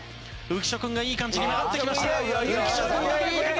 浮所君がいい感じに曲がってきた！